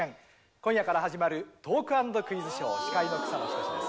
今夜から始まるトークアンドクイズショー司会の草野仁です